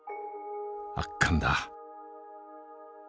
圧巻だ。